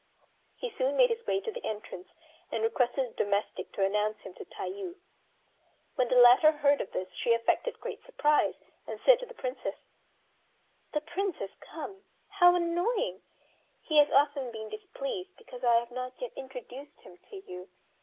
He soon made his way to the entrance, and requested a domestic to announce him to Tayû. When the latter heard of this she affected great surprise, and said to the Princess, "The Prince has come. How annoying! He has often been displeased because I have not yet introduced him to you.